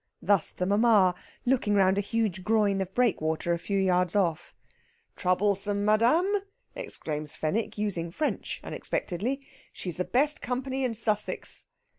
Thus the mamma, looking round a huge groin of breakwater a few yards off. "Troublesome, madame?" exclaims Fenwick, using French unexpectedly. "She's the best company in Sussex."